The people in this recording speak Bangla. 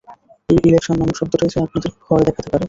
এই ইলেকশন নামক শব্দটাই যে আপনাদের ভয় দেখাতে পারে।